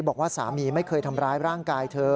บอกว่าสามีไม่เคยทำร้ายร่างกายเธอ